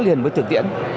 liền với thực tiễn